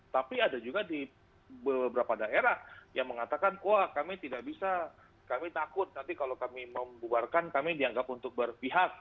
tapi ada juga di beberapa daerah yang mengatakan wah kami tidak bisa kami takut nanti kalau kami membuarkan kami dianggap untuk berpihak